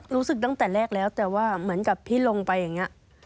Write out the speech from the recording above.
รู้สึกตั้งแต่แรกแล้วแต่ว่าเหมือนกับพี่ลงไปอย่างนี้